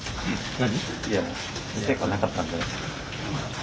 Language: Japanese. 何？